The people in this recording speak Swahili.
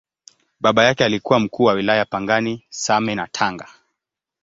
Baba yake alikuwa Mkuu wa Wilaya Pangani, Same na Tanga.